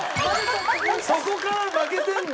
そこから負けてんの！